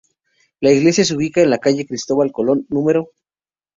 La Iglesia se ubica en la calle Cristóbal Colón No.